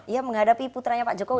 ya menghadapi putranya pak jokowi